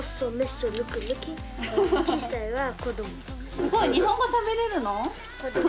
すごい！日本語しゃべれるの？